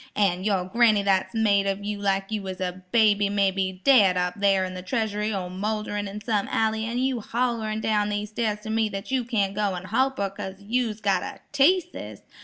"An' your granny that's made of you like you was a baby may be daid up thar in the treasury or moulderin' in some alley an' you hollerin' down these stairs to me that you can't go an' holp her 'cause you's got a teaseus.